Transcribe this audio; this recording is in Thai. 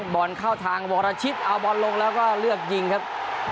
บอลเข้าทางวรชิตเอาบอลลงแล้วก็เลือกยิงครับ